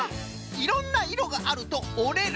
「いろんないろがある」と「おれる」。